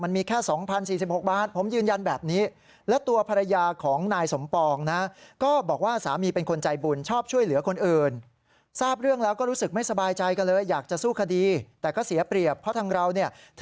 มันมีแค่๒๐๔๖บาทผมยืนยันแบบนี้